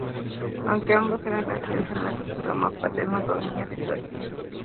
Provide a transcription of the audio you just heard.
Aunque ambos eran nacidos en Madrid, su rama paterna provenía de Soria.